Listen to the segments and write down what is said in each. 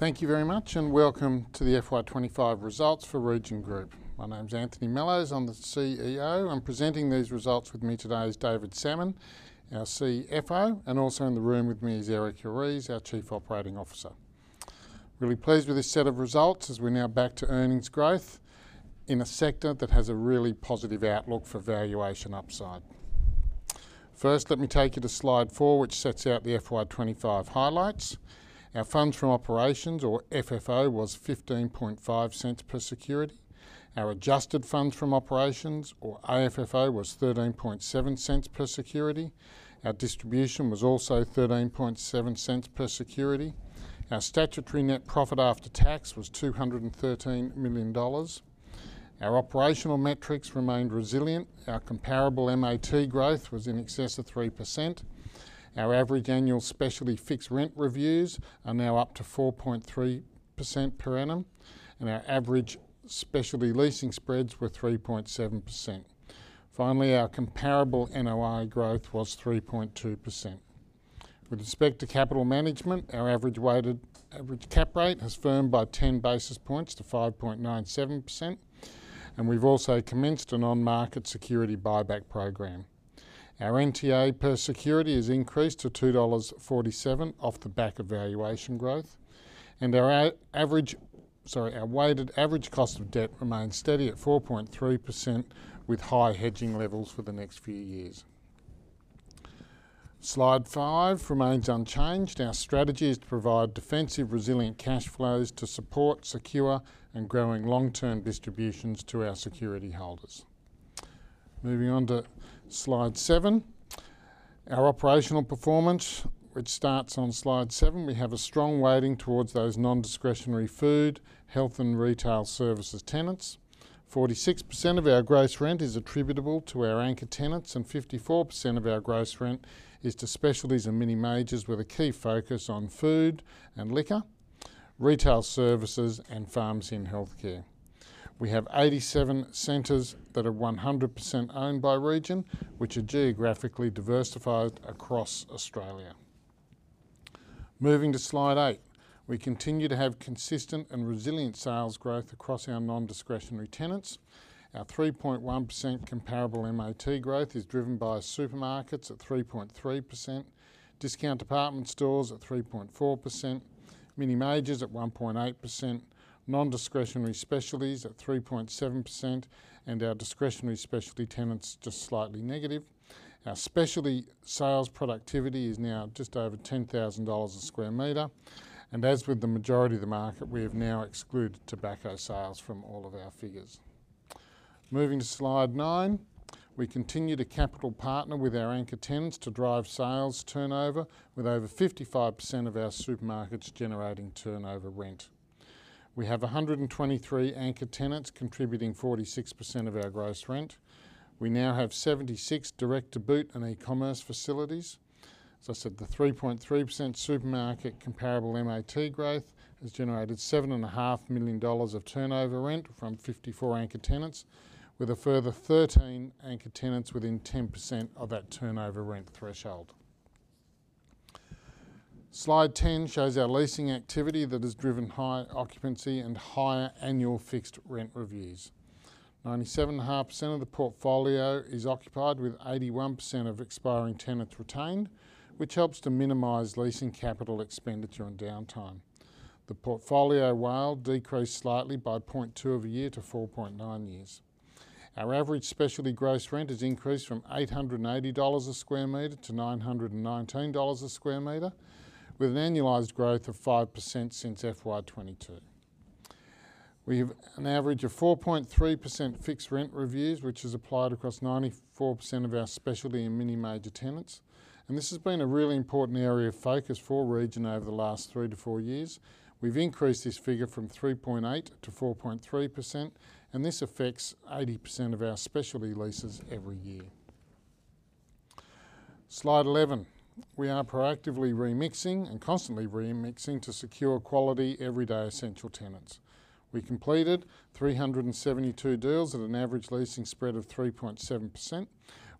Thank you very much and welcome to the FY 2025 Results for Region Group. My name's Anthony Mellowes. I'm the CEO. Presenting these results with me today is David Salmon, our CFO. Also in the room with me is Erica Rees, our Chief Operating Officer. Really pleased with this set of results as we're now back to earnings growth in a sector that has a really positive outlook for valuation upside. First, let me take you to Slide 4, which sets out the FY 2025 highlights. Our funds from operations, or FFO, was 0.155 per security. Our adjusted funds from operations, or AFFO, was 0.137 per security. Our distribution was also 0.137 per security. Our statutory net profit after tax was 213 million dollars. Our operational metrics remained resilient. Our comparable MAT growth was in excess of 3%. Our average annual specialty fixed rent reviews are now up to 4.3% per annum. Our average specialty leasing spreads were 3.7%. Finally, our comparable NOI growth was 3.2%. With respect to capital management, our average weighted average cap rate has firmed by 10 basis points to 5.97%. We've also commenced a non-market security buyback program. Our NTA per security has increased to 2.47 dollars off the back of valuation growth. Our weighted average cost of debt remains steady at 4.3% with high hedging levels for the next few years. Slide 5 remains unchanged. Our strategy is to provide defensive, resilient cash flows to support secure and growing long-term distributions to our security holders. Moving on to Slide 7, our operational performance, which starts on Slide 7, we have a strong weighting towards those non-discretionary food, health, and retail services tenants. 46% of our gross rent is attributable to our anchor tenants, and 54% of our gross rent is to specialties and mini-majors with a key focus on food and liquor, retail services, and pharmacy and healthcare. We have 87 centres that are 100% owned by Region, which are geographically diversified across Australia. Moving to Slide 8, we continue to have consistent and resilient sales growth across our non-discretionary tenants. Our 3.1% comparable MAT growth is driven by supermarkets at 3.3%, discount department stores at 3.4%, mini-majors at 1.8%, non-discretionary specialties at 3.7%, and our discretionary specialty tenants just slightly negative. Our specialty sales productivity is now just over 10,000 dollars a square metre. As with the majority of the market, we have now excluded tobacco sales from all of our figures. Moving to Slide 9, we continue to capital partner with our anchor tenants to drive sales turnover, with over 55% of our supermarkets generating turnover rent. We have 123 anchor tenants contributing 46% of our gross rent. We now have 76 direct-to-boot and e-commerce facilities. As I said, the 3.3% supermarket comparable MAT growth has generated 7.5 million dollars of turnover rent from 54 anchor tenants, with a further 13 anchor tenants within 10% of that turnover rent threshold. Slide 10 shows our leasing activity that has driven high occupancy and higher annual fixed rent reviews. 97.5% of the portfolio is occupied, with 81% of expiring tenants retained, which helps to minimize leasing capital expenditure and downtime. The Portfolio WALE decreased slightly by 0.2 years-4.9 years. Our average specialty gross rent has increased from 880 dollars a square meter- 919 dollars a square meter, with an annualized growth of 5% since FY 2022. We have an average of 4.3% fixed rent reviews, which is applied across 94% of our specialty and mini-major tenants. This has been a really important area of focus for Region Group over the last three to four years. We've increased this figure from 3.8%-4.3%, and this affects 80% of our specialty leases every year. Slide 11. We are proactively remixing and constantly remixing to secure quality everyday essential tenants. We completed 372 deals at an average leasing spread of 3.7%,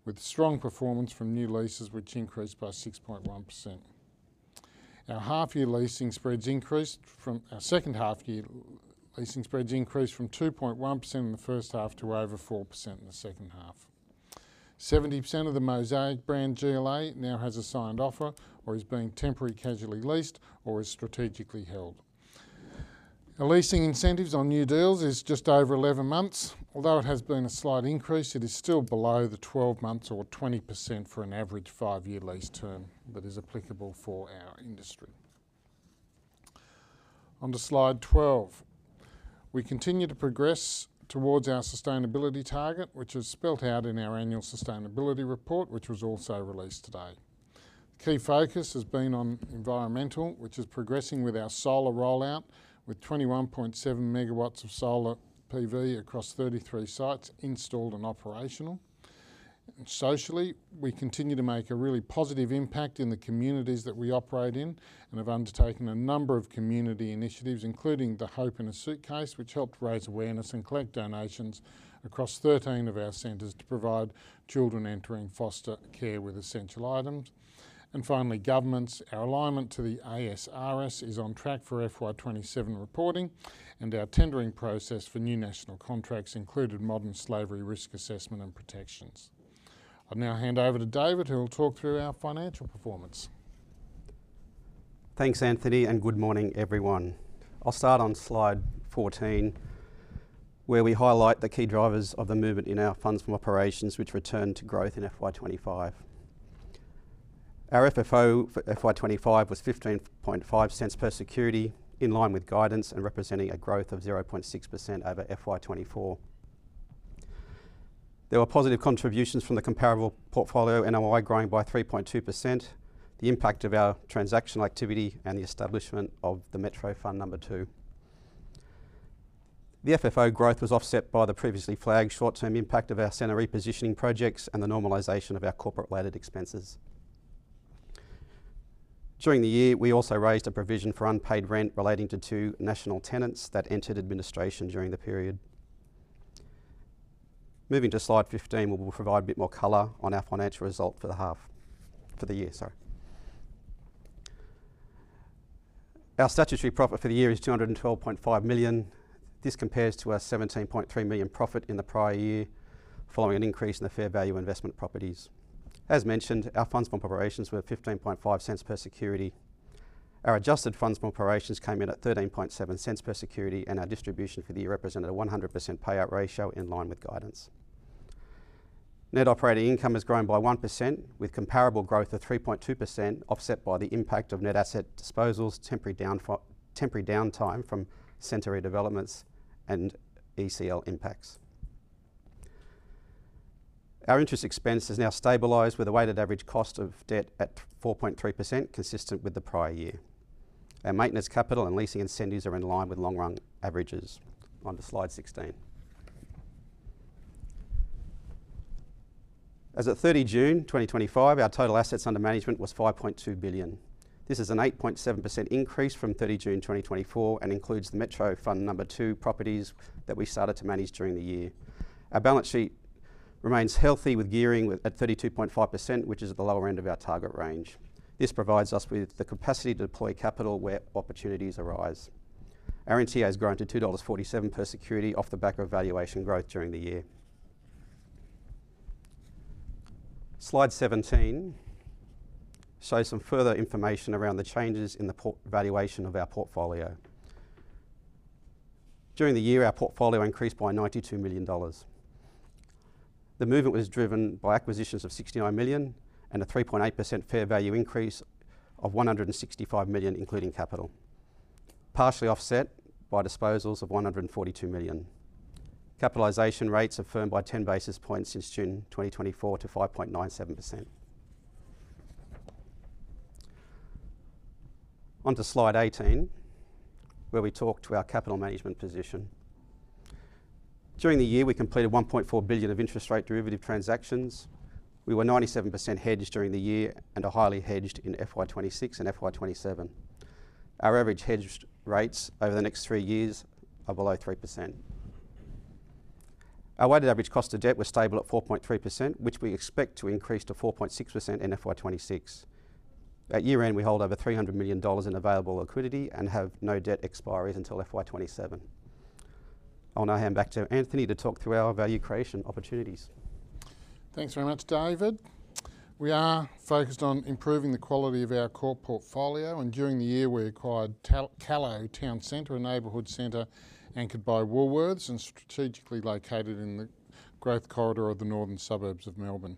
with strong performance from new leases, which increased by 6.1%. Our half-year leasing spreads increased from our second half-year leasing spreads increased from 2.1% in the first half to over 4% in the second half. 70% of the Mosaic Brand GLA now has a signed offer or is being temporary casually leased or is strategically held. Our leasing incentives on new deals are just over 11 months. Although it has been a slight increase, it is still below the 12 months or 20% for an average five-year lease term that is applicable for our industry. Onto Slide 12. We continue to progress towards our sustainability target, which is spelled out in our annual sustainability report, which was also released today. Key focus has been on environmental, which is progressing with our solar rollout, with 21.7 MW of solar PV across 33 sites installed and operational. Socially, we continue to make a really positive impact in the communities that we operate in and have undertaken a number of community initiatives, including the Hope in a Suitcase, which helped raise awareness and collect donations across 13 of our centers to provide children entering foster care with essential items. Finally, governments, our alignment to the ASRS is on track for FY 2027 reporting, and our tendering process for new national contracts included modern slavery risk assessment and protections. I'll now hand over to David, who will talk through our financial performance. Thanks, Anthony, and good morning, everyone. I'll start on Slide 14, where we highlight the key drivers of the movement in our funds from operations, which returned to growth in FY 2025. Our FFO for FY 2025 was 15.05 per security, in line with guidance and representing a growth of 0.6% over FY 20 24. There were positive contributions from the comparable portfolio NOI growing by 3.2%, the impact of our transactional activity, and the establishment of the Metro Fund 2. The FFO growth was offset by the previously flagged short-term impact of our center repositioning projects and the normalisation of our corporate-led expenses. During the year, we also raised a provision for unpaid rent relating to two national tenants that entered administration during the period. Moving to Slide 15, we'll provide a bit more color on our financial result for the half, for the year, sorry. Our statutory profit for the year is 212.5 million. This compares to a 17.3 million profit in the prior year following an increase in the fair value of investment properties. As mentioned, our funds from operations were 15.05 per security. Our adjusted funds from operations came in at 13.07 per security, and our distribution for the year represented a 100% payout ratio in line with guidance. Net operating income has grown by 1%, with comparable growth of 3.2% offset by the impact of net asset disposals, temporary downtime from center developments, and ECL impacts. Our interest expense has now stabilized with a weighted average cost of debt at 4.3%, consistent with the prior year. Our maintenance capital and leasing incentives are in line with long-run averages. Onto Slide 16. As of June 30, 2025, our total assets under management was 5.2 billion. This is an 8.7% increase from June 30, 2024 and includes the Metro Fund 2 properties that we started to manage during the year. Our balance sheet remains healthy with gearing at 32.5%, which is at the lower end of our target range. This provides us with the capacity to deploy capital where opportunities arise. Our NTA has grown to 2.47 dollars per security off the back of valuation growth during the year. Slide 17 shows some further information around the changes in the valuation of our portfolio. During the year, our portfolio increased by 92 million dollars. The movement was driven by acquisitions of 69 million and a 3.8% fair value increase of 165 million, including capital, partially offset by disposals of 142 million. Capitalisation rates have firmed by 10 basis points since June 2024 to 5.97%. Onto Slide 18, where we talk to our capital management position. During the year, we completed 1.4 billion of interest rate derivative transactions. We were 97% hedged during the year and are highly hedged in FY 2026 and FY 2027. Our average hedged rates over the next three years are below 3%. Our weighted average cost of debt was stable at 4.3%, which we expect to increase to 4.6% in FY 2026. At year end, we hold over 300 million dollars in available liquidity and have no debt expiry until FY 2027. I'll now hand back to Anthony to talk through our value creation opportunities. Thanks very much, David. We are focused on improving the quality of our core portfolio, and during the year, we acquired Kallo Town Centre and neighbourhood centre, anchored by Woolworths and strategically located in the growth corridor of the northern suburbs of Melbourne.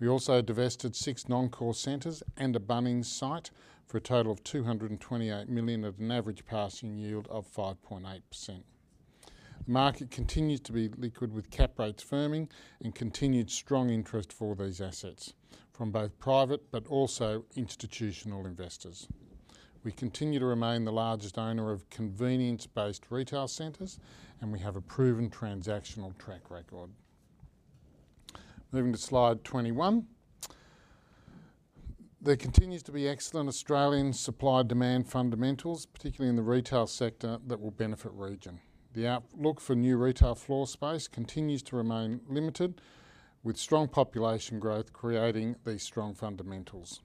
We also divested six non-core centres and a Bunnings site for a total of 228 million at an average passing yield of 5.8%. The market continues to be liquid with cap rates firming and continued strong interest for these assets from both private but also institutional investors. We continue to remain the largest owner of convenience-based retail centres, and we have a proven transactional track record. Moving to Slide 21, there continues to be excellent Australian supply-demand fundamentals, particularly in the retail sector that will benefit Region. The outlook for new retail floor space continues to remain limited, with strong population growth creating these strong fundamentals.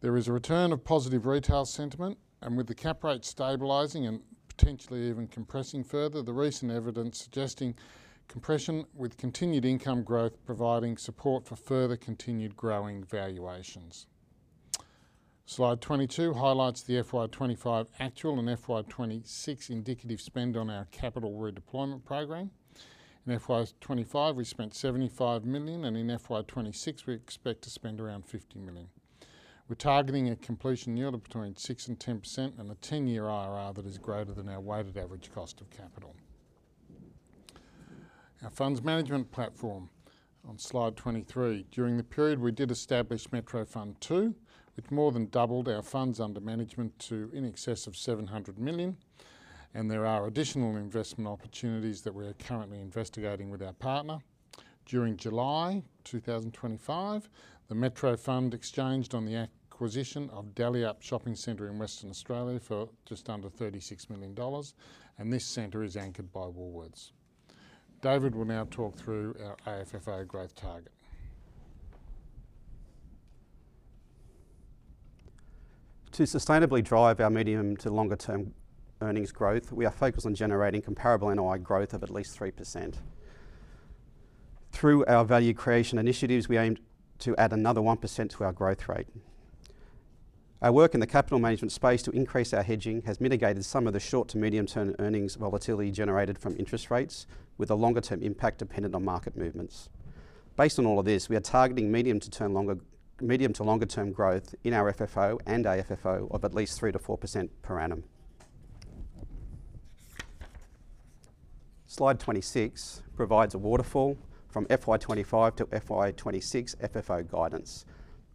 There is a return of positive retail sentiment, and with the cap rates stabilizing and potentially even compressing further, the recent evidence suggesting compression with continued income growth providing support for further continued growing valuations. Slide 22 highlights the FY 2025 actual and FY 2026 indicative spend on our capital redeployment program. In FY 2025 we spent 75 million, and in FY 2026 we expect to spend around 50 million. We're targeting a completion yield of between 6% and 10% and a 10-year IRR that is greater than our weighted average cost of capital. Our funds management platform on Slide 23, during the period we did establish Metro Fund 2, which more than doubled our funds under management to in excess of 700 million, and there are additional investment opportunities that we are currently investigating with our partner. During July 2025, the Metro Fund exchanged on the acquisition of Dalyellup Shopping Centre in Western Australia for just under 36 million dollars, and this centre is anchored by Woolworths. David will now talk through our AFFO growth target. To sustainably drive our medium to longer-term earnings growth, we are focused on generating comparable NOI growth of at least 3%. Through our value creation initiatives, we aim to add another 1% to our growth rate. Our work in the capital management space to increase our hedging has mitigated some of the short to medium-term earnings volatility generated from interest rates, with a longer-term impact dependent on market movements. Based on all of this, we are targeting medium to longer-term growth in our FFO and AFFO of at least 3%-4% per annum. Slide 26 provides a waterfall from FY 2025- FY 2026 FFO guidance,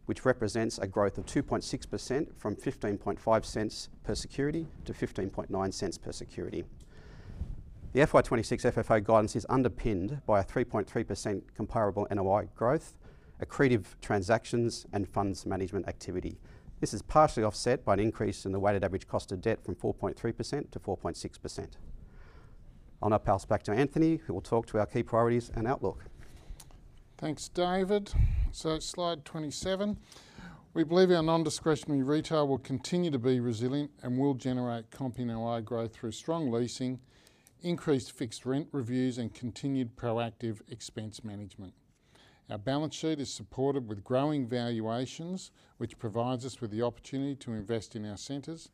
which represents a growth of 2.6% from 0.155 per security-AUD 0.159 per security. The FY 2026 FFO guidance is underpinned by a 3.3% comparable NOI growth, accretive transactions, and funds management activity. This is partially offset by an increase in the weighted average cost of debt from 4.3%-4.6%. I'll now pass back to Anthony, who will talk to our key priorities and outlook. Thanks, David. Slide 27. We believe our non-discretionary retail will continue to be resilient and will generate comparable NOI growth through strong leasing, increased fixed rent reviews, and continued proactive expense management. Our balance sheet is supported with growing valuations, which provides us with the opportunity to invest in our centers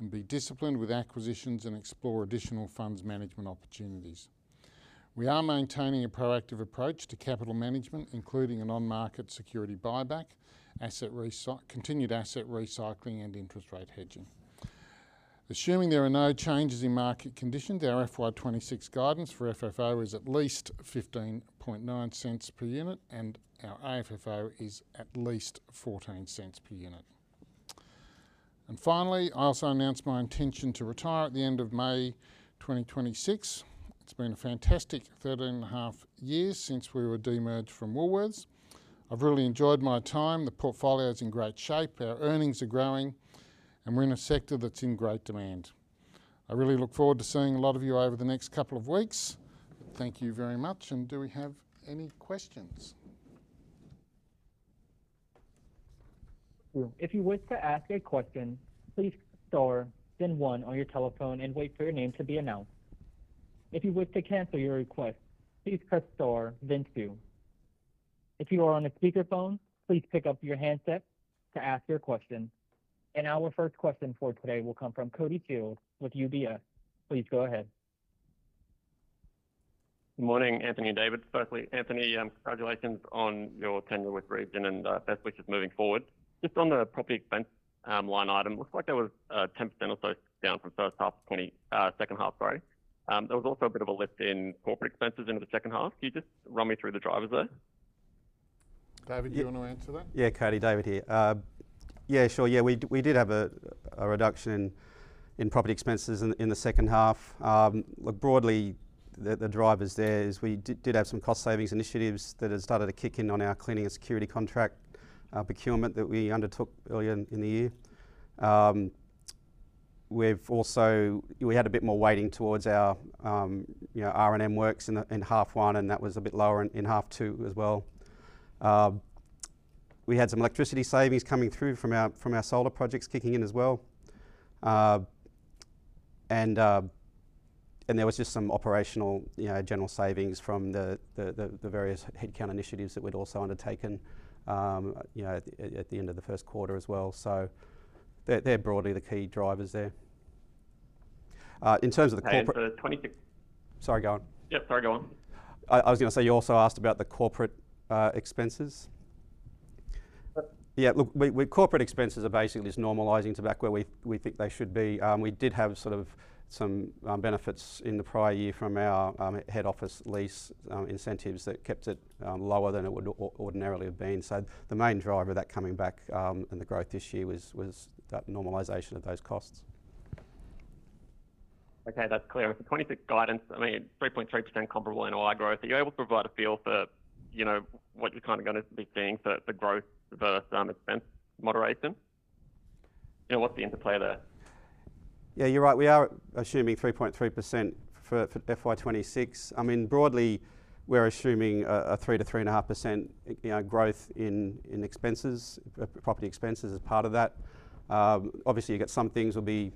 and be disciplined with acquisitions and explore additional funds management opportunities. We are maintaining a proactive approach to capital management, including a non-market security buyback, continued asset recycling, and interest rate hedging. Assuming there are no changes in market conditions, our FY 2026 guidance for FFO is at least 0.159 per unit, and our AFFO is at least 0.14 per unit. Finally, I also announced my intention to retire at the end of May 2026. It's been a fantastic 13.5 years since we were demerged from Woolworths. I've really enjoyed my time. The portfolio is in great shape, our earnings are growing, and we're in a sector that's in great demand. I really look forward to seeing a lot of you over the next couple of weeks. Thank you very much, and do we have any questions? If you wish to ask a question, please press star, then one on your telephone, and wait for your name to be announced. If you wish to cancel your request, please press star, then two. If you are on a speaker phone, please pick up your handset to ask your question. Our first question for today will come from Cody Shield with UBS Equities. Please go ahead. Morning, Anthony, David. Anthony, congratulations on your tenure with Region and best wishes moving forward. Just on the property expense line item, it looks like there was 10% or so down from first half to second half, sorry. There was also a bit of a lift in corporate expenses into the second half. Can you just run me through the drivers there? David, do you want to answer that? Yeah, Cody, David here. Yeah, sure. We did have a reduction in property expenses in the second half. Broadly, the drivers there is we did have some cost savings initiatives that have started to kick in on our cleaning and security contract procurement that we undertook earlier in the year. We've also had a bit more weighting towards our R&M works in half one, and that was a bit lower in half two as well. We had some electricity savings coming through from our solar PV projects kicking in as well. There was just some operational general savings from the various headcount initiatives that we'd also undertaken at the end of the first quarter as well. They're broadly the key drivers there. In terms of the corporate. Sorry, go on. Yeah, sorry, go on. I was going to say you also asked about the corporate expenses. Yeah, look, corporate expenses are basically just normalizing to back where we think they should be. We did have some benefits in the prior year from our head office lease incentives that kept it lower than it would ordinarily have been. The main driver of that coming back and the growth this year was that normalization of those costs. Okay, that's clear. In terms of guidance, I mean, 3.3% comparable NOI growth, are you able to provide a feel for, you know, what you're kind of going to be seeing for growth versus expense moderation? You know, what's the interplay there? Yeah, you're right. We are assuming 3.3% for FY 2026. I mean, broadly, we're assuming a 3%-3.5% growth in expenses, property expenses as part of that. Obviously, you get some things will be,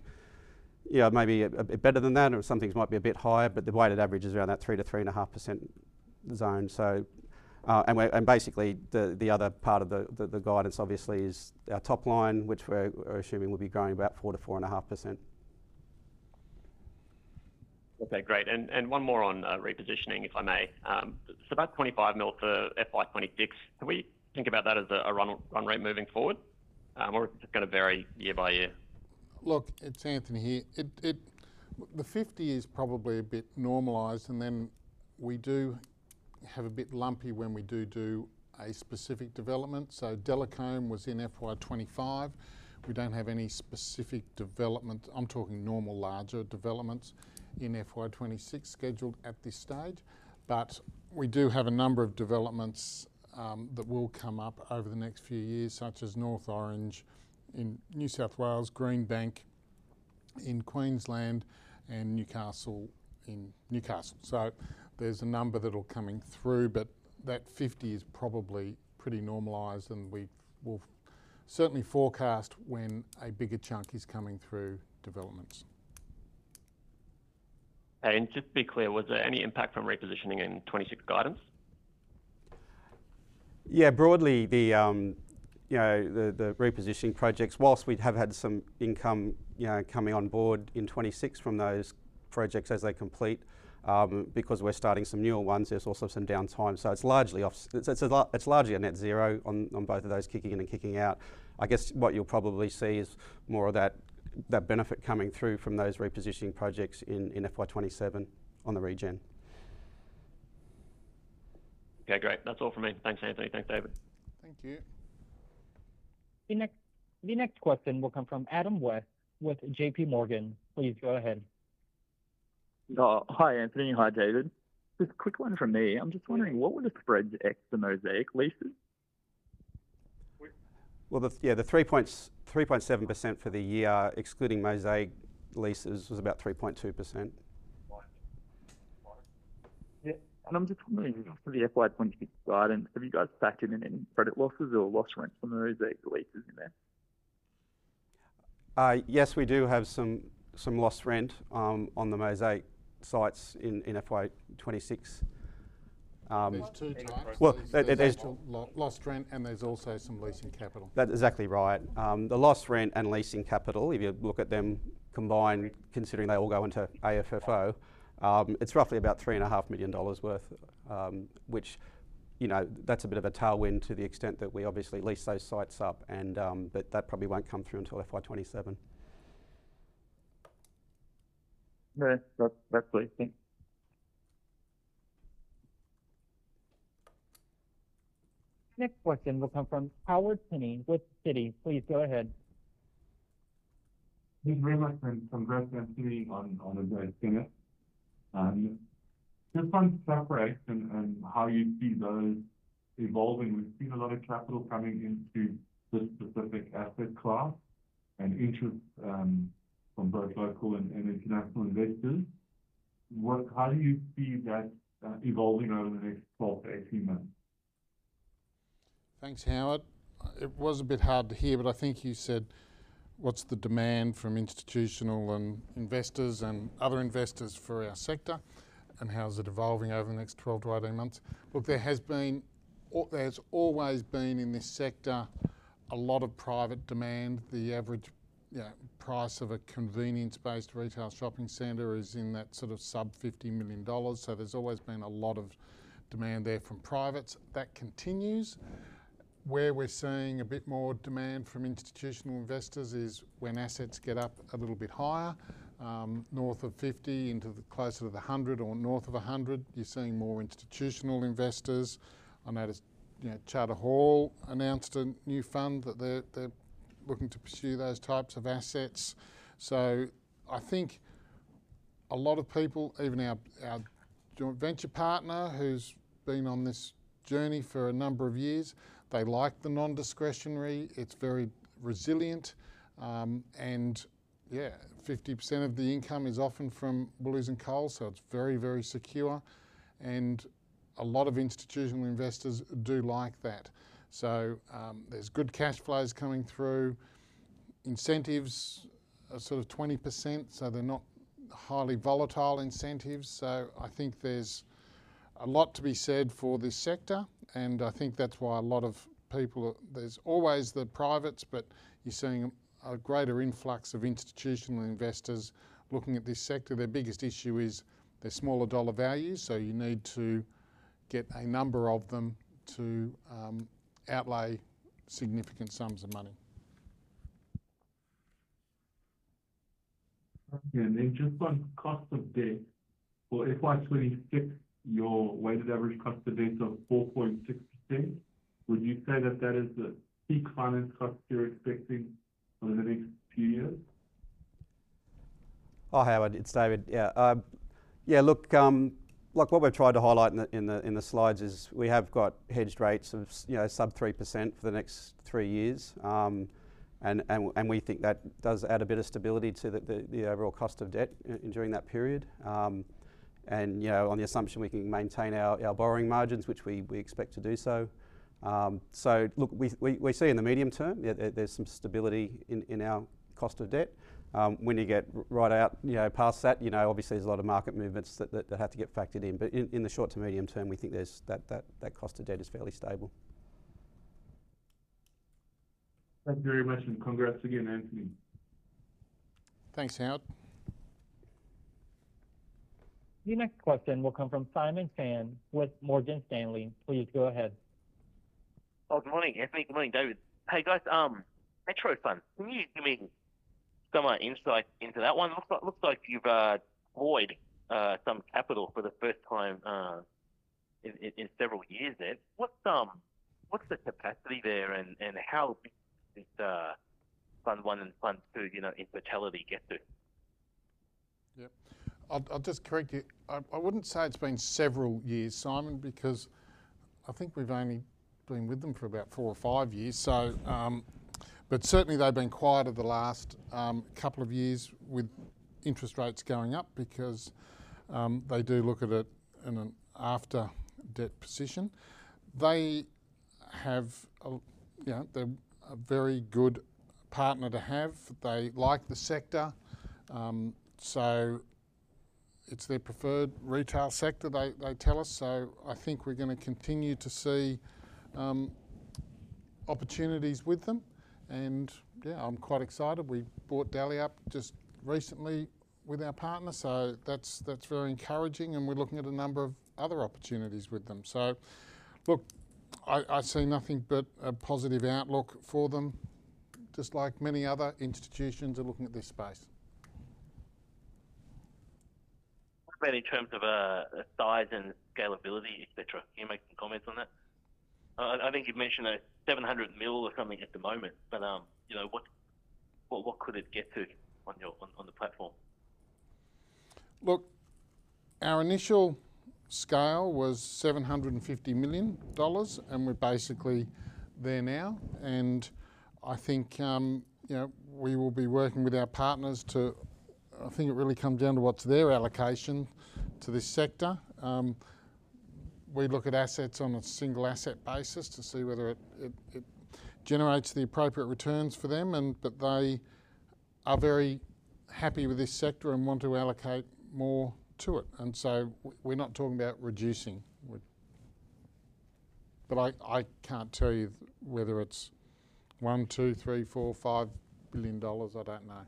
you know, maybe a bit better than that, or some things might be a bit higher, but the weighted average is around that 3%-3.5% zone. Basically, the other part of the guidance obviously is our top line, which we're assuming will be growing about 4%-4.5%. Okay, great. One more on repositioning, if I may. It's about 25 million for FY 2026. Can we think about that as a run rate moving forward, or is it going to vary year by year? Look, it's Anthony here. The 50 million is probably a bit normalised, and then we do have a bit lumpy when we do do a specific development. Delacombe was in FY 2025. We don't have any specific development, I'm talking normal larger developments, in FY 2026 scheduled at this stage. We do have a number of developments that will come up over the next few years, such as North Orange in New South Wales, Green Bank in Queensland, and Newcastle in Newcastle. There's a number that are coming through, but that 50 million is probably pretty normalised, and we will certainly forecast when a bigger chunk is coming through developments. To be clear, was there any impact from repositioning in 2026 guidance? Yeah, broadly, the repositioning projects, whilst we have had some income coming on board in 2026 from those projects as they complete, because we're starting some newer ones, there's also some downtime. It's largely a net zero on both of those kicking in and kicking out. I guess what you'll probably see is more of that benefit coming through from those repositioning projects in FY 2027 on the Region Group. Okay, great. That's all for me. Thanks, Anthony. Thanks, David. Thank you. The next question will come from Adam West with JPMorgan, please go ahead. Hi, Anthony. Hi, David. Just a quick one from me. I'm just wondering, what were the spreads X for Mosaic leases? The 3.7% for the year, excluding Mosaic leases, was about 3.2%. I'm just wondering, for the FY 2026 guidance, have you guys factored in any credit losses or lost rents from the Mosaic leases in there? Yes, we do have some lost rent on the Mosaic sites in FY 2026. There's two types. There's lost rent, and there's also some leasing capital. That's exactly right. The lost rent and leasing capital, if you look at them combined, considering they all go into AFFO, it's roughly about 3.5 million dollars worth, which, you know, that's a bit of a tailwind to the extent that we obviously lease those sites up, and that probably won't come through until FY 2027. Okay, that's clear. Thanks. Next question will come from Howard Penny with Citi, please go ahead. Hey, my friend, congrats on Region Group on a great finish. In terms of track record and how you see those evolving, we've seen a lot of capital coming into the specific asset class and interest from both local and international investors. How do you see that evolving over the next 12-18 months? Thanks, Howard. It was a bit hard to hear, but I think you said, what's the demand from institutional and investors and other investors for our sector, and how is it evolving over the next 12-18 months? Look, there has been, or there has always been in this sector a lot of private demand. The average, you know, price of a convenience-based retail shopping center is in that sort of sub 50 million dollars. There's always been a lot of demand there from privates. That continues. Where we're seeing a bit more demand from institutional investors is when assets get up a little bit higher, north of 50 million into the closer to the 100 million or north of 100 million. You're seeing more institutional investors. I noticed Charter Hall announced a new fund that they're looking to pursue those types of assets. I think a lot of people, even our joint venture partner who's been on this journey for a number of years, they like the non-discretionary. It's very resilient. Fifty percent of the income is often from Woolworths and Coles, so it's very, very secure. A lot of institutional investors do like that. There's good cash flows coming through. Incentives are sort of 20%, so they're not highly volatile incentives. I think there's a lot to be said for this sector, and I think that's why a lot of people, there's always the privates, but you're seeing a greater influx of institutional investors looking at this sector. Their biggest issue is their smaller dollar values, so you need to get a number of them to outlay significant sums of money. Just on cost of debt, for FY 2026, your weighted average cost of debt of 4.6%, would you say that that is the peak finance cost you're expecting over the next few years? Oh, Howard, it's David. Yeah. Look, like what we're trying to highlight in the slides is we have got hedged rates of sub 3% for the next three years. We think that does add a bit of stability to the overall cost of debt during that period. You know, on the assumption we can maintain our borrowing margins, which we expect to do so. We see in the medium term that there's some stability in our cost of debt. When you get right out past that, obviously there's a lot of market movements that have to get factored in. In the short to medium term, we think that cost of debt is fairly stable. Thank you very much and congrats again, Anthony. Thanks, Howard. The next question will come from Simon Chen with Morgan Stanley, please go ahead. Oh, good morning, Anthony. Good morning, David. Hey guys, Metro Fund, can you give me some insight into that one? Looks like you've void some capital for the first time in several years. What's the capacity there, and how did Fund 1 and Fund 2, you know, in totality get through? I'll just correct it. I wouldn't say it's been several years, Simon, because I think we've only been with them for about four or five years. Certainly they've been quieter the last couple of years with interest rates going up because they do look at it in an after-debt position. They have a very good partner to have. They like the sector. It's their preferred retail sector, they tell us. I think we're going to continue to see opportunities with them. I'm quite excited. We bought Dalyellup just recently with our partner. That's very encouraging. We're looking at a number of other opportunities with them. I see nothing but a positive outlook for them, just like many other institutions are looking at this space. In terms of the size and scalability, etc., can you make some comments on that? I think you've mentioned a 700 million or something at the moment, but you know, what could it get to on the platform? Look, our initial scale was 750 million dollars, and we're basically there now. I think we will be working with our partners to, I think it really comes down to what's their allocation to this sector. We look at assets on a single asset basis to see whether it generates the appropriate returns for them. They are very happy with this sector and want to allocate more to it. We're not talking about reducing. I can't tell you whether it's 1 billion, 2 billion, 3 billion, 4 billion, 5 billion dollars. I don't know.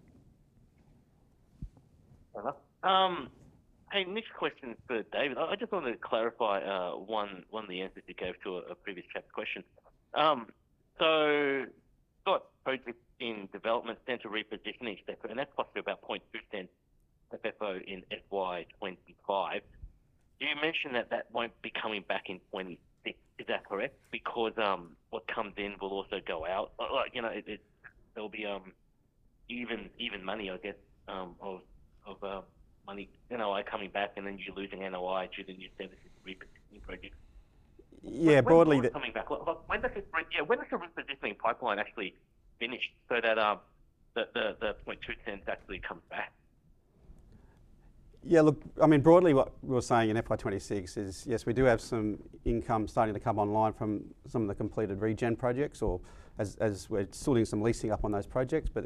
Hey, next question for David. I just wanted to clarify one of the answers that goes to a previous chat question. You've got projects in development, central repositioning, etc., and that's possibly about 0.2% FFO in FY 2025. You mentioned that that won't be coming back in 2026. Is that correct? Because what comes in will also go out. Like, you know, there'll be even money, I guess, of money NOI coming back, and then you're losing NOI to the new services and repositioning projects. Yeah, broadly. When does the repositioning pipeline actually finish so that the 0.2% actually comes back? Yeah, look, I mean, broadly what we're saying in FY 2026 is, yes, we do have some income starting to come online from some of the completed Region projects or as we're sorting some leasing up on those projects, but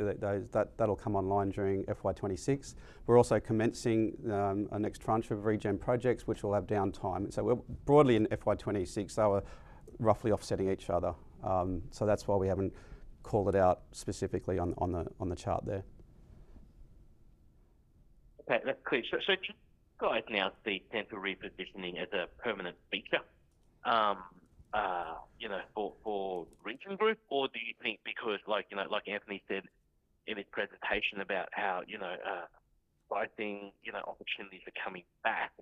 that'll come online during FY 2026. We're also commencing our next tranche of Region projects, which will have downtime. We're broadly in FY 2026, so we're roughly offsetting each other. That's why we haven't called it out specifically on the chart there. Okay, that's clear. Should you guys now see central repositioning as a permanent feature for Region Group, or do you think because, like Anthony said in his presentation about how pricing opportunities are coming back,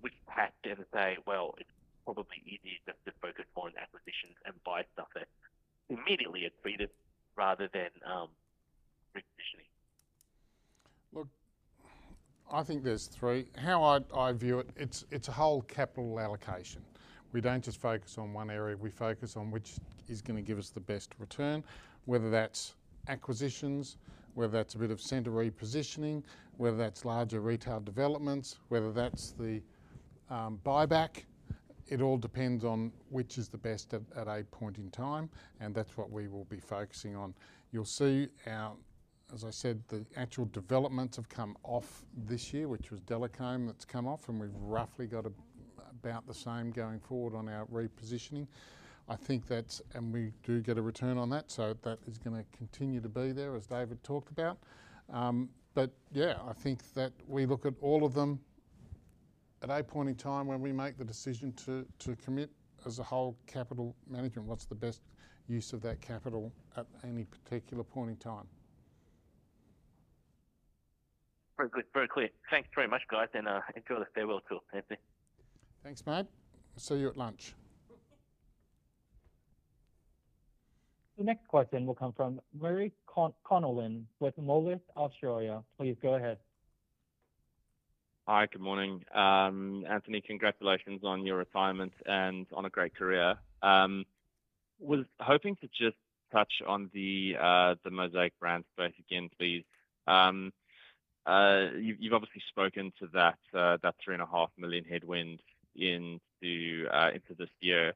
which has to say, it's probably easier just to focus more on acquisitions and buy stuff that immediately is rather than repositioning. Look, I think there's three. How I view it, it's a whole capital allocation. We don't just focus on one area. We focus on which is going to give us the best return, whether that's acquisitions, whether that's a bit of center repositioning, whether that's larger retail developments, whether that's the buyback. It all depends on which is the best at a point in time, and that's what we will be focusing on. You'll see, as I said, the actual developments have come off this year, which was Delacomb that's come off, and we've roughly got about the same going forward on our repositioning. I think that's, and we do get a return on that, so that is going to continue to be there, as David talked about. I think that we look at all of them at a point in time when we make the decision to commit as a whole capital management. What's the best use of that capital at any particular point in time? Very good, very clear. Thanks very much, guys, and enjoy the farewell tour, Anthony. Thanks, mate. See you at lunch. The next question will come from Murray Connellan with Moelis Australia. Please go ahead. Hi, good morning. Anthony, congratulations on your retirement and on a great career. I was hoping to just touch on the Mosaic Brand space again, please. You've obviously spoken to that 3.5 million headwind into this year.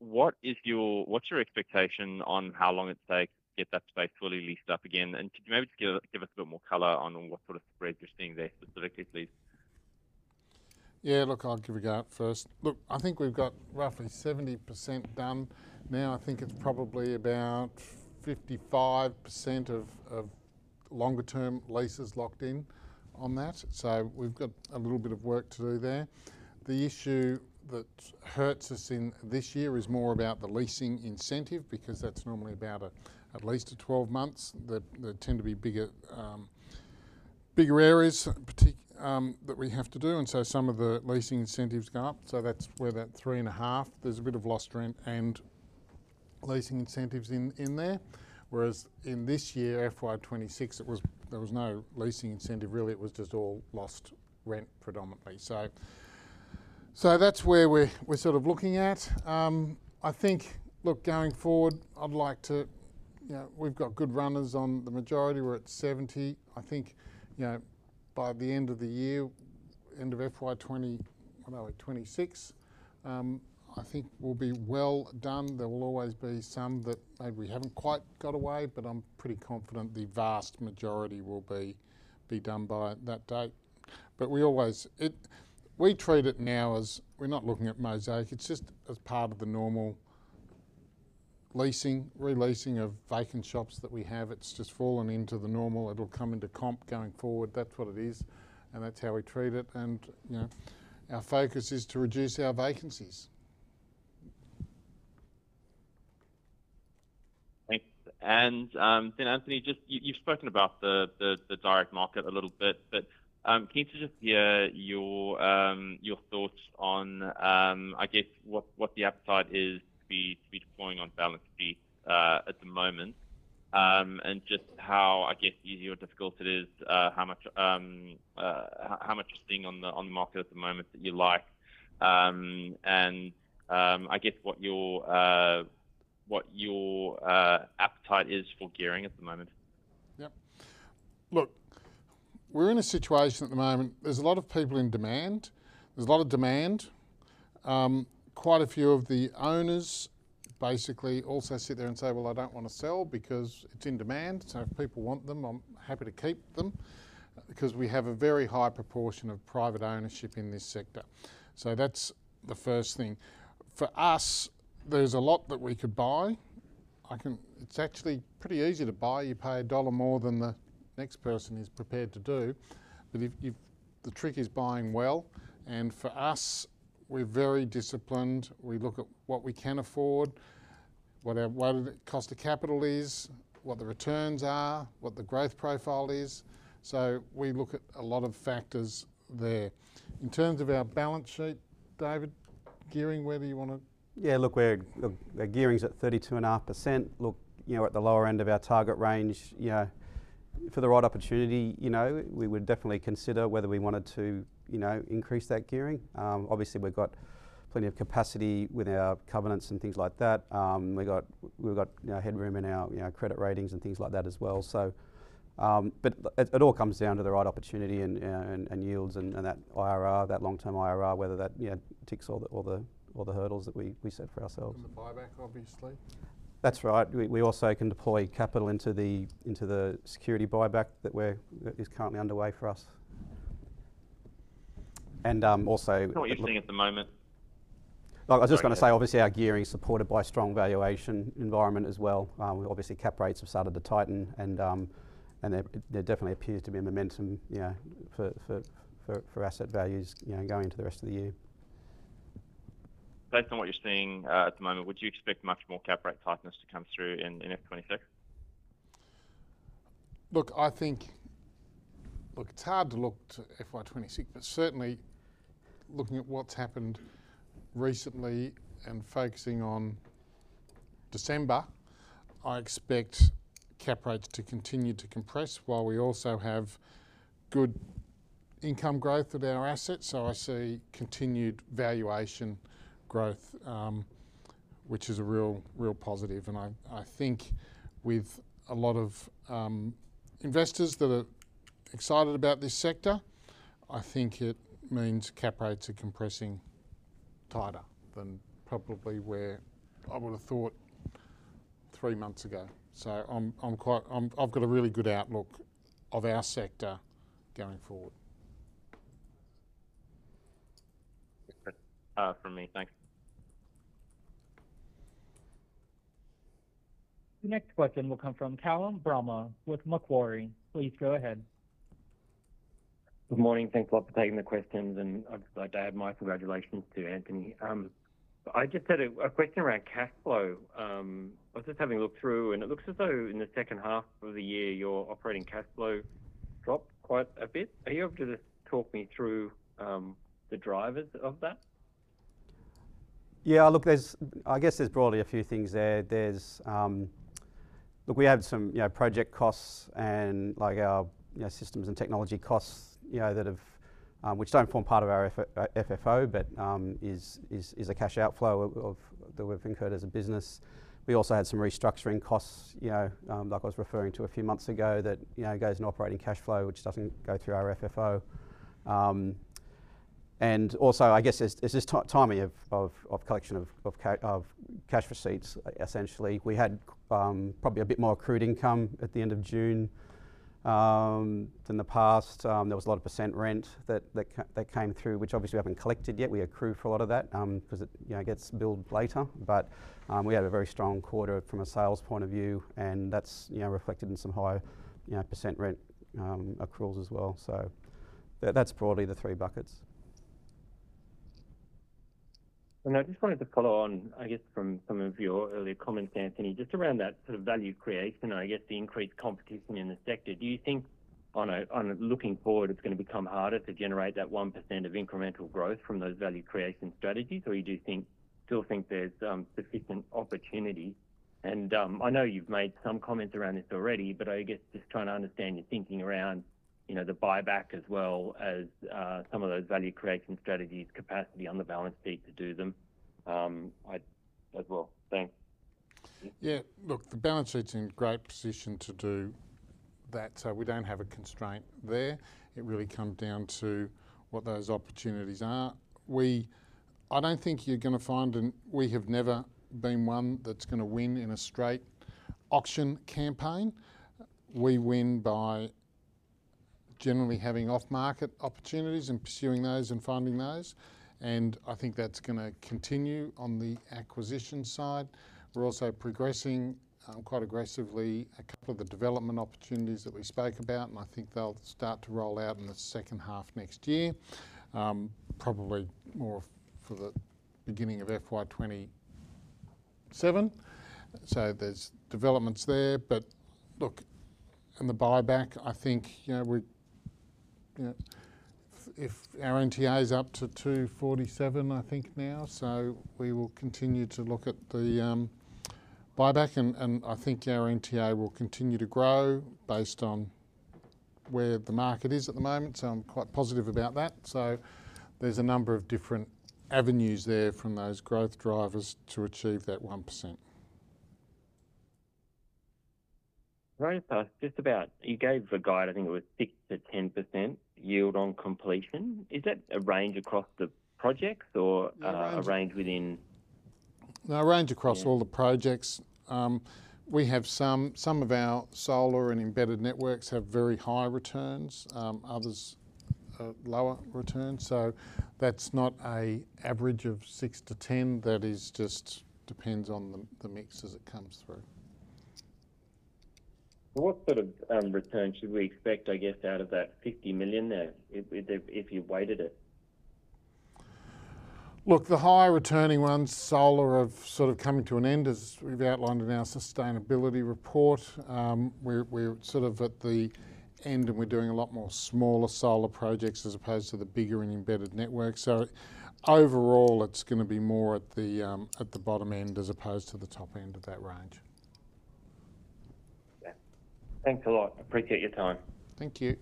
What is your expectation on how long it takes to get that space fully leased up again? Could you maybe just give us a bit more color on what sort of spread you're seeing there specifically, please? Yeah, look, I'll give a gut first. I think we've got roughly 70% done. Now I think it's probably about 55% of longer-term leases locked in on that. We've got a little bit of work to do there. The issue that hurts us in this year is more about the leasing incentive because that's normally about at least 12 months. There tend to be bigger areas that we have to do, and some of the leasing incentives go up. That's where that three and a half, there's a bit of lost rent and leasing incentives in there. Whereas in this year, FY 2026, there was no leasing incentive really. It was just all lost rent predominantly. That's where we're sort of looking at. I think, going forward, I'd like to, you know, we've got good runners on the majority. We're at 70%. I think, by the end of the year, end of FY 2026, I think we'll be well done. There will always be some that maybe we haven't quite got away, but I'm pretty confident the vast majority will be done by that date. We always treat it now as we're not looking at Mosaic. It's just as part of the normal leasing, releasing of vacant shops that we have. It's just fallen into the normal. It'll come into comp going forward. That's what it is. That's how we treat it. Our focus is to reduce our vacancies. Thanks. Anthony, you've spoken about the direct market a little bit. Can you just share your thoughts on what the appetite is to be deploying on balance sheets at the moment and just how easy or difficult it is, how much is being on the market at the moment that you like, and what your appetite is for gearing at the moment. Yeah. Look, we're in a situation at the moment. There's a lot of people in demand. There's a lot of demand. Quite a few of the owners basically also sit there and say, I don't want to sell because it's in demand. If people want them, I'm happy to keep them because we have a very high proportion of private ownership in this sector. That's the first thing. For us, there's a lot that we could buy. It's actually pretty easy to buy. You pay a dollar more than the next person is prepared to do. The trick is buying well. For us, we're very disciplined. We look at what we can afford, what our cost of capital is, what the returns are, what the growth profile is. We look at a lot of factors there. In terms of our balance sheet, David, gearing, whether you want to. Yeah, look, the gearing's at 32.5%. Look, at the lower end of our target range, for the right opportunity, we would definitely consider whether we wanted to increase that gearing. Obviously, we've got plenty of capacity with our covenants and things like that. We've got headroom in our credit ratings and things like that as well. It all comes down to the right opportunity and yields and that IRR, that long-term IRR, whether that ticks all the hurdles that we set for ourselves. There's a buyback, obviously. That's right. We also can deploy capital into the security buyback that is currently underway for us. What you're seeing at the moment. I was just going to say, obviously, our gearing is supported by a strong valuation environment as well. Cap rates have started to tighten, and there definitely appears to be a momentum for asset values going into the rest of the year. Based on what you're seeing at the moment, would you expect much more cap rate compression to come through in 2026? I think it's hard to look to FY 2026, but certainly looking at what's happened recently and focusing on December, I expect cap rates to continue to compress while we also have good income growth with our assets. I see continued valuation growth, which is a real, real positive. I think with a lot of investors that are excited about this sector, it means cap rates are compressing tighter than probably where I would have thought three months ago. I've got a really good outlook of our sector going forward. Good for me. Thanks. The next question will come from Callum Bramah with Macquarie. Please go ahead. Good morning. Thanks a lot for taking the questions, and I'd add my congratulations to Anthony. I just had a question around cash flow. I was just having a look through, and it looks as though in the second half of the year, your operating cash flow dropped quite a bit. Are you able to just talk me through the drivers of that? Yeah, look, I guess there's broadly a few things there. We have some project costs and our systems and technology costs that don't form part of our FFO, but are a cash outflow that we've incurred as a business. We also had some restructuring costs, like I was referring to a few months ago, that go in operating cash flow, which doesn't go through our FFO. I guess there's this timing of collection of cash receipts, essentially. We had probably a bit more accrued income at the end of June than in the past. There was a lot of percentage rent that came through, which obviously we haven't collected yet. We accrue for a lot of that because it gets billed later. We had a very strong quarter from a sales point of view, and that's reflected in some high percentage rent accruals as well. That's broadly the three buckets. I just wanted to follow on, I guess, from some of your earlier comments, Anthony, just around that sort of value creation and the increased competition in the sector. Do you think, looking forward, it's going to become harder to generate that 1% of incremental growth from those value creation strategies, or do you still think there's sufficient opportunity? I know you've made some comments around this already, but I guess just trying to understand your thinking around the buyback as well as some of those value creation strategies, and capacity on the balance sheet to do them as well. Thanks. Yeah, look, the balance sheet's in a great position to do that. We don't have a constraint there. It really comes down to what those opportunities are. I don't think you're going to find, and we have never been one that's going to win in a straight auction campaign. We win by generally having off-market opportunities and pursuing those and finding those. I think that's going to continue on the acquisition side. We're also progressing quite aggressively a couple of the development opportunities that we spoke about, and I think they'll start to roll out in the second half next year, probably more for the beginning of FY 2027. There's developments there. In the buyback, I think, you know, if our NTA is up to 2.47, I think now, we will continue to look at the buyback, and I think our NTA will continue to grow based on where the market is at the moment. I'm quite positive about that. There's a number of different avenues there from those growth drivers to achieve that 1%. Sorry, just about, you gave a guide, I think it was 6%-10% yield on completion. Is that a range across the projects or a range within? No, a range across all the projects. We have some of our solar PV and embedded networks have very high returns, others lower returns. That's not an average of 6%-10%. That just depends on the mix as it comes through. What sort of return should we expect, I guess, out of that 50 million there if you weighted it? Look, the higher returning ones, solar, have sort of come to an end, as we've outlined in our sustainability report. We're sort of at the end, and we're doing a lot more smaller solar projects as opposed to the bigger and embedded networks. Overall, it's going to be more at the bottom end as opposed to the top end of that range. Thanks a lot. Appreciate your time. Thank you.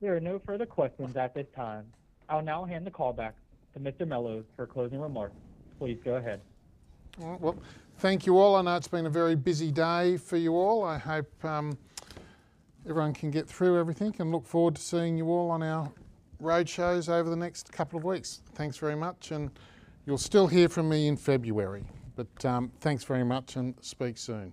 There are no further questions at this time. I'll now hand the call back to Mr. Mellowes for closing remarks. Please go ahead. Thank you all. I know it's been a very busy day for you all. I hope everyone can get through everything and look forward to seeing you all on our roadshows over the next couple of weeks. Thanks very much. You'll still hear from me in February. Thanks very much and speak soon.